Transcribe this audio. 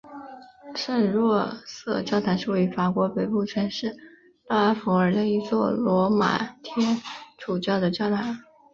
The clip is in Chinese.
圣若瑟教堂是位于法国北部城市勒阿弗尔的一座罗马天主教的教堂。